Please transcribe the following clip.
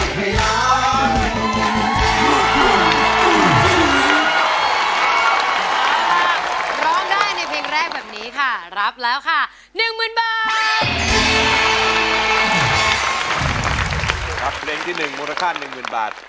ปรับเพลงที่๑มูลค่า๑หมื่นบาท